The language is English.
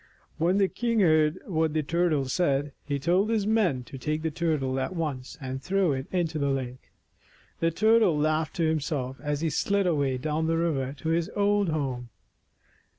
When the king heard what the Turtle said, he told his men to take the Turtle at once and throw it into the lake. The Turtle laughed to himself as he slid away down the river to his old home.